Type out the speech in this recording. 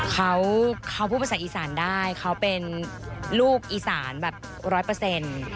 เขาเขาพูดภาษาอีสานได้เขาเป็นลูกอีสานแบบร้อยเปอร์เซ็นต์